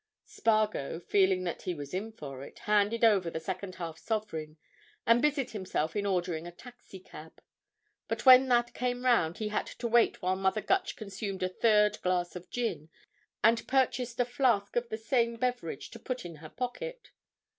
Spargo, feeling that he was in for it, handed over the second half sovereign, and busied himself in ordering a taxi cab. But when that came round he had to wait while Mrs. Gutch consumed a third glass of gin and purchased a flask of the same beverage to put in her pocket.